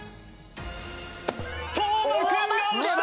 當間君が押した！